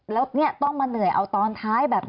แล้วเนี่ยต้องมาเหนื่อยเอาตอนท้ายแบบนี้